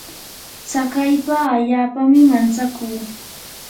tsakaypa allaapami mantsakuu.